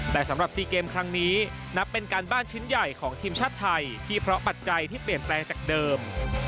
แต่สำหรับ๔เกมครั้งนี้นับเป็นการบ้านชิ้นใหญ่ของทีมชาติไทยที่เพราะปัจจัยที่เปลี่ยนแปลงจากเดิม